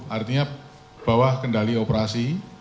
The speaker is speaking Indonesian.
artinya bawah kendali operasi